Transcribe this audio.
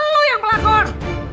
lo yang pelakor